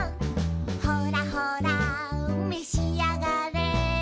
「ほらほらめしあがれ」